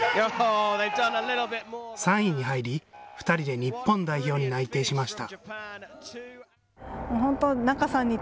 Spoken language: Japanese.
３位に入り、２人で日本代表に内定しました。